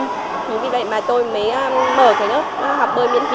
chính vì vậy mà tôi mới mở cái lớp học bơi miễn phí